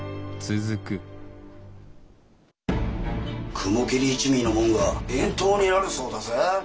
雲霧一味の者が遠島になるそうだぜ。